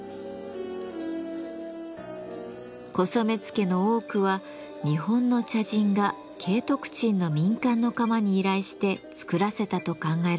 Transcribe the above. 古染付の多くは日本の茶人が景徳鎮の民間の窯に依頼して作らせたと考えられています。